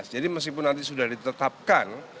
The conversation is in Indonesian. jadi meskipun nanti sudah ditetapkan